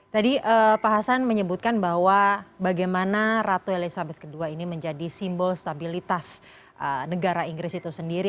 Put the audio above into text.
tadi pak hasan menyebutkan bahwa bagaimana ratu elizabeth ii ini menjadi simbol stabilitas negara inggris itu sendiri